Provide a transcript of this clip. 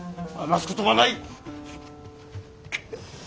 話すことはない！